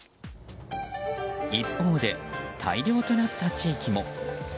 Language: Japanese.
一方で大漁となった地域も。